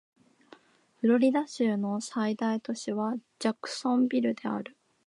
フロリダ州の最大都市はジャクソンビルである